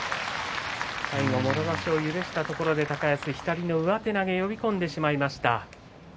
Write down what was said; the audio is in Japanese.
最後はもろ差しを許したところ最後は上手投げ呼び込んでしまいました。